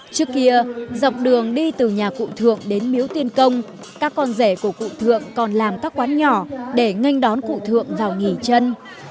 trước kia dọc đường đi từ nhà cụ thượng đến miếu tiên công các con rể của cụ thượng còn làm các quán nhỏ để nganh đón cụ thượng vào nghỉ chân